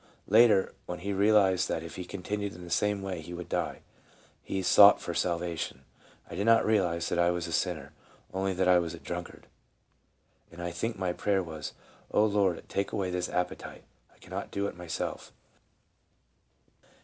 Later, when he real ized that if he continued in the same way he would die, he sought for salvation; " I did not realize that I was a sinner, only that I was a drunkard. And I think my prayer was, ' O Lord, take away this appetite, I cannot do it myself.